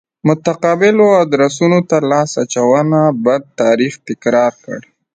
متقابلو ادرسونو ته لاس اچونه بد تاریخ تکرار کړ.